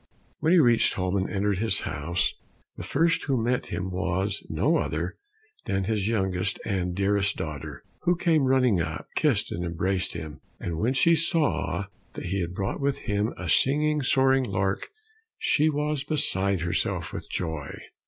When he reached home and entered his house, the first who met him was no other than his youngest and dearest daughter, who came running up, kissed and embraced him, and when she saw that he had brought with him a singing, soaring lark, she was beside herself with joy.